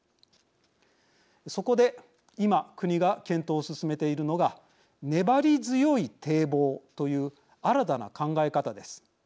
そこで今国が検討を進めているのが「粘り強い堤防」という新たな考え方です。